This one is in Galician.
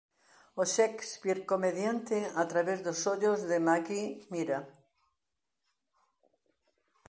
O Shakespeare comediante a través dos ollos de Magüi Mira